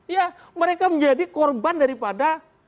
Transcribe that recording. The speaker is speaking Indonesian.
ya mereka menjadi korban daripada